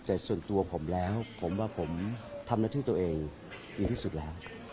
แต่ส่วนตัวผมแล้วผมว่าผมทำหน้าที่ตัวเองดีที่สุดแล้ว